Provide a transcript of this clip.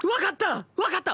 分かった！